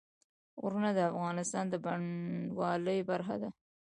غرونه د افغانستان د بڼوالۍ برخه ده.